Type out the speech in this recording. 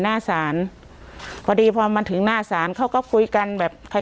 หน้าสารพอดีพอมันถึงหน้าสารเขาก็คุยกันแบบคล้าย